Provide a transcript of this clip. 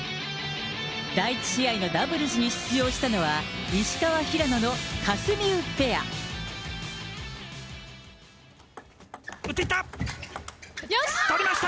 第１試合のダブルスに出場したのは、打っていった。